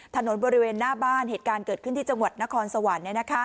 ถนนบริเวณหน้าบ้านเหตุการณ์เกิดขึ้นที่จังหวัดนครสวรรค์